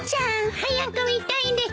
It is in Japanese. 早く見たいです。